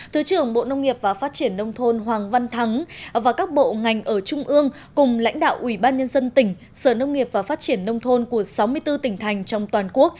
thứ trưởng bộ nông nghiệp và phát triển nông thôn hoàng văn thắng và các bộ ngành ở trung ương cùng lãnh đạo ủy ban nhân dân tỉnh sở nông nghiệp và phát triển nông thôn của sáu mươi bốn tỉnh thành trong toàn quốc